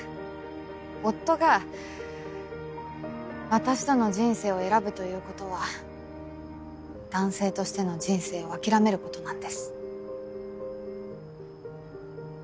夫が私との人生を選ぶということは男性としての人生を諦めることなんです。